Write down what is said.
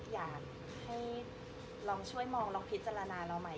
อยากให้ลองช่วยมองลองพิจารณาเราใหม่